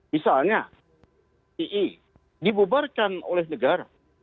misalnya t i dibubarkan oleh negara